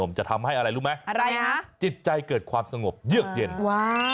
จะทำให้อะไรรู้ไหมอะไรฮะจิตใจเกิดความสงบเยือกเย็นว้าย